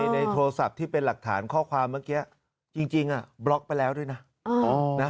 ในโทรศัพท์ที่เป็นหลักฐานข้อความเมื่อกี้จริงบล็อกไปแล้วด้วยนะ